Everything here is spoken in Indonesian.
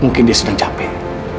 mungkin dia sedang capek